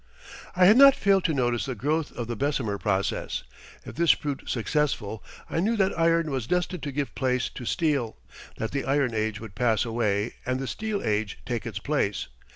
I had not failed to notice the growth of the Bessemer process. If this proved successful I knew that iron was destined to give place to steel; that the Iron Age would pass away and the Steel Age take its place.